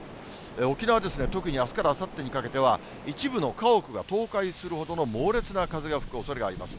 沖縄は特にあすからあさってにかけては、一部の家屋が倒壊するほどの猛烈な風が吹くおそれがあります。